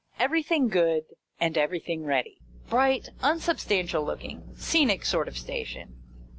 Everything good, and everything ready. Bright, unsubstantial looking, scenic sort of station.